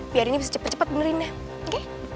biar ini bisa cepet cepet benerin ya oke